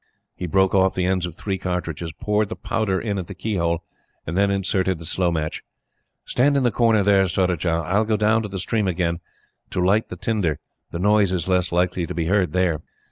He broke off the ends of three cartridges, poured the powder in at the keyhole, and then inserted the slow match. "Stand in the corner there, Surajah. I will go down to the stream again, to light the tinder. The noise is less likely to be heard there."